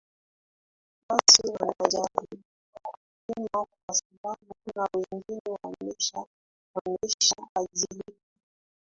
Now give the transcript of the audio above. basi wanajaribiwa kupima kwa sababu kuna wengine wamesha wameshaadhirika